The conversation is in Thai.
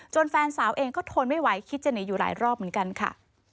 แฟนสาวเองก็ทนไม่ไหวคิดจะหนีอยู่หลายรอบเหมือนกันค่ะ